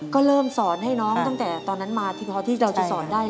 ก็เริ่มสอนให้น้องตั้งแต่ตอนนั้นมาที่พอที่เราจะสอนได้